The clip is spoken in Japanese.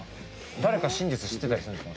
誰か真実知ってたりするんですか？